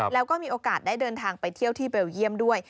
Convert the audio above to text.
แล้วก็มีโอกาสได้เดินทางไปเที่ยวที่เบลเยี่ยมด้วย